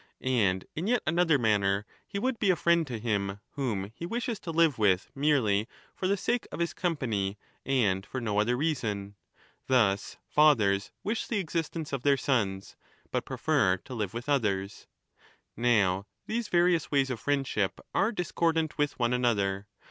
^ And in yet another manner he would be a friend to him whom he wishes to live with merely for the sake of his company and for no other reason ; thus fathers wish the existence of their sons, but prefer to live with others. Now ^ these 3° various ways of friendship are discordant with one another.